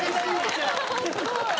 すごい。